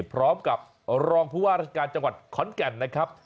พร้อมกับรองผู้ว่าราชการจังหวัดขอนแก่นนะครับ